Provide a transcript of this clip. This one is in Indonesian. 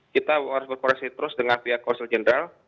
kita harus berkomunikasi terus dengan pihak kausel jenderal